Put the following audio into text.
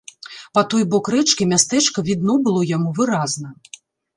Па той бок рэчкі мястэчка відно было яму выразна.